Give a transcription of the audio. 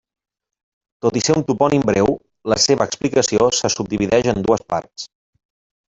Tot i ser un topònim breu, la seva explicació se subdivideix en dues parts.